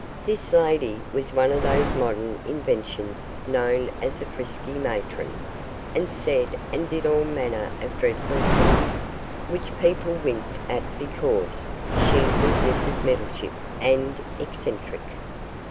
This lady was one of those modern inventions known as a frisky matron, and said and did all manner of dreadful things, which people winked at because she was Mrs Meddlechip, and eccentric.